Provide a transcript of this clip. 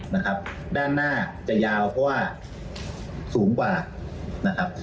นะครับด้านหน้าจะยาวเพราะว่าสูงกว่านะครับ